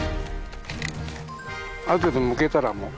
ある程度むけたらもう。